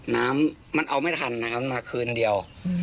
น้ำมันเอาไม่ทันนะครับมาคืนเดียว